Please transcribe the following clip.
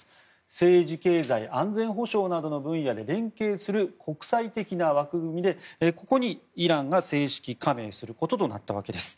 政治、経済、安全保障などの分野で連携する国際的な枠組みでここにイランが正式加盟することとなったわけです。